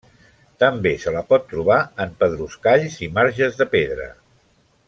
També se la pot trobar en pedruscalls i marges de pedra.